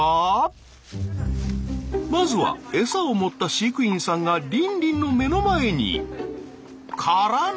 まずは餌を持った飼育員さんがリンリンの目の前に。からの。